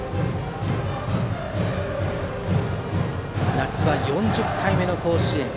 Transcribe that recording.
夏は４０回目の甲子園。